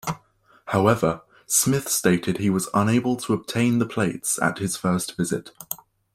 However, Smith stated he was unable to obtain the plates at his first visit.